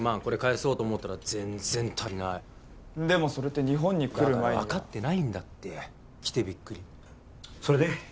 これ返そうと思ったら全然足りないでもそれって日本に来る前にはだから分かってないんだって来てビックリそれで？